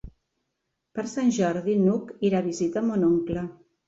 Per Sant Jordi n'Hug irà a visitar mon oncle.